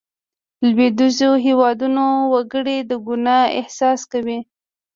لوېدیځو هېوادونو وګړي د ګناه احساس کوي.